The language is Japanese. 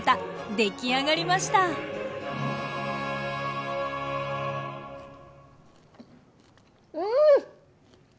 出来上がりましたうん！